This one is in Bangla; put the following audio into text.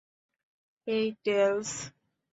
এই, টেলস।